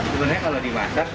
sebenarnya kalau dimasak